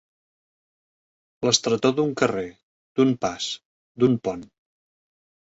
L'estretor d'un carrer, d'un pas, d'un pont.